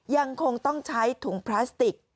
ยังคงต้องใช้ถุงพลาสติก